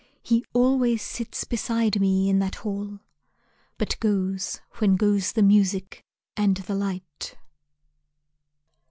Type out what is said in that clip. He always sits beside me in that hall, But goes when goes the music and the light.